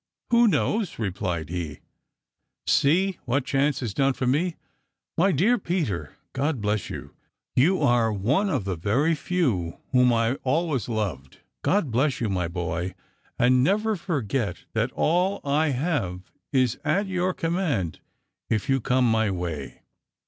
"Who knows?" replied he; "see what chance has done for me. My dear Peter, God bless you! You are one of the very few whom I always loved. God bless you, my boy! and never forget that all I have is at your command if you come my way."